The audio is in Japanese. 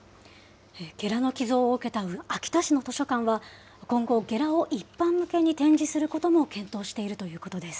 ゲラの寄贈を受けた秋田市の図書館は、今後、ゲラを一般向けに展示することも検討しているということです。